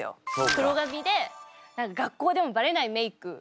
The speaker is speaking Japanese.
黒髪で学校でもバレないメークとか。